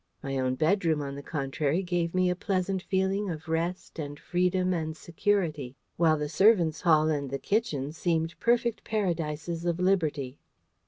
My own bedroom, on the contrary, gave me a pleasant feeling of rest and freedom and security: while the servants' hall and the kitchen seemed perfect paradises of liberty.